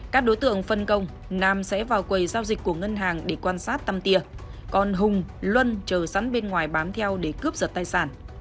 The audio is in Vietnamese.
các đối tượng phân công nam sẽ vào quầy giao dịch của ngân hàng để quan sát tăm tia còn hùng luân chờ sẵn bên ngoài bám theo để cướp giật tài sản